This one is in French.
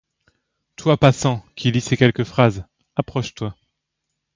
Toi Passant, qui lis ces quelques phrases, approche-toi.